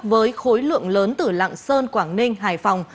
với khối lượng lớn từ lạng sơn quảng ninh hải phòng